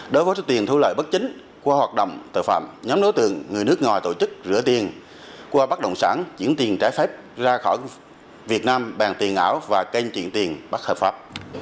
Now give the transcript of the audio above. đối với số tiền thu lợi bất chính qua hoạt động tội phạm nhóm đối tượng người nước ngoài tổ chức rửa tiền qua bất động sản chuyển tiền trái phép ra khỏi việt nam bàn tiền ảo và kênh chuyển tiền bất hợp pháp